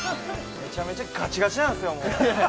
◆めちゃめちゃ、がちがちなんですよ。